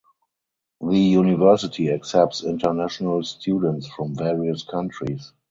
The University accepts international students from various countries.